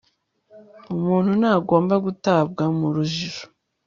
Umuntu ntagomba gutabwa mu rujijo